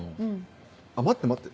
あ待って待って。